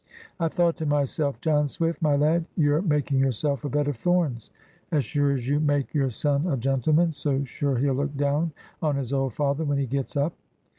I thought to myself, 'John Swift, my lad, you're making yourself a bed of thorns. As sure as you make your son a gentleman, so sure he'll look down on his old father when he gets up.